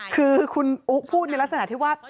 คือคุณอุ๊พูดในลักษณะที่ว่า